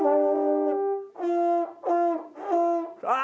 ああ！